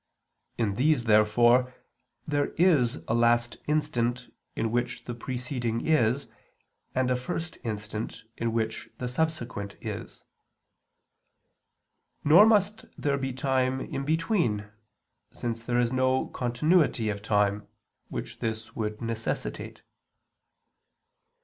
In these, therefore, there is a last instant in which the preceding is, and a first instant in which the subsequent is. Nor must there be time in between, since there is no continuity of time, which this would necessitate.